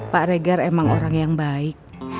pak regar emang orang yang baik